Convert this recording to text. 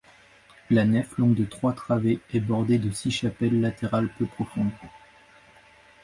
La nef, longue de trois travées, est bordée de six chapelles latérales peu profondes.